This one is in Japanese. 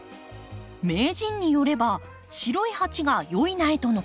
名人によれば白い鉢が良い苗とのこと。